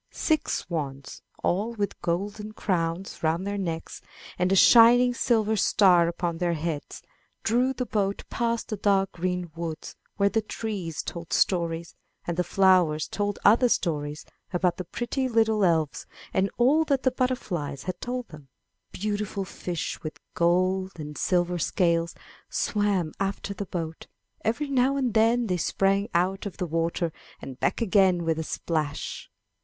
Six swans, all with golden crowns round their necks, and a shining silver star upon their heads, drew the boat past the dark green woods where the trees told stories; and the flowers told other stories about the pretty little elves, and all that the butterflies had told them. Beautiful fish with gold and silver scales swam after the boat; every now and then they sprang out of the water and back again with a splash.